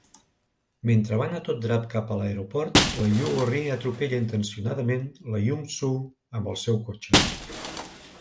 Mentre van a tot drap cap a l'aeroport, la Yoo-ri atropella intencionadament la Jung-suh amb el seu cotxe.